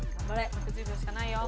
６０秒しかないよ。